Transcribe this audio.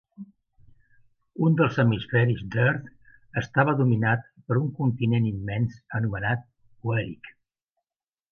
Un dels hemisferis d'Oerth estava dominat per un continent immens anomenat Oerik.